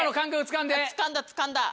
つかんだつかんだ。